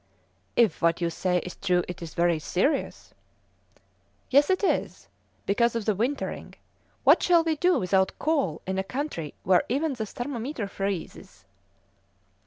"If what you say is true, it is very serious." "Yes, it is, because of the wintering. What shall we do without coal in a country where even the thermometer freezes?"